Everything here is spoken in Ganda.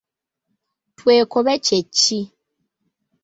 Twekobe kye ki?